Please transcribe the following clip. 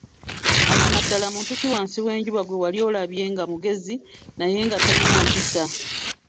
Mazima ddala muntu ki wansi w'enjuba gwe wali olabye nga mugezi naye nga talina mpisa?